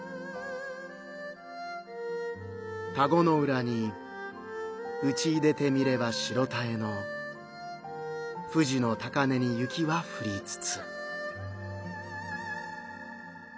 「田子の浦にうちいでて見れば白妙の富士の高嶺に雪は降りつつ」。